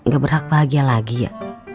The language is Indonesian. gak berhak bahagia lagi ya